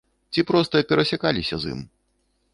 Ці проста перасякаліся з ім.